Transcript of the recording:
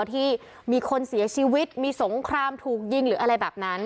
ที่มีคนเสียชีวิตมีสงครามถูกยิงหรืออะไรแบบนั้น